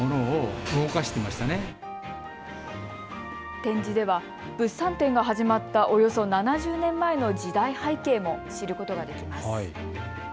展示では物産展が始まったおよそ７０年前の時代背景も知ることができます。